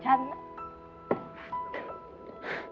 ฉันรักแกนะเย้ต้อย